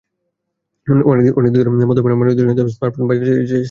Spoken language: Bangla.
অনেক দিন ধরেই মধ্যম আয়ের মানুষদের জন্য স্মার্টফোন বাজারে ছেড়ে এসেছে স্যামসাং।